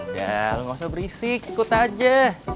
ya gak usah berisik ikut aja